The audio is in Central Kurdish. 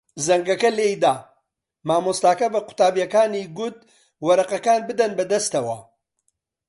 زەنگەکە لێی دا. مامۆستاکە بە قوتابییەکانی گوت وەرەقەکان بدەن بەدەستەوە.